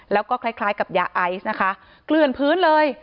แล้วก็คล้ายกับยาไอซ์นะคะเกลือนพื้นเลย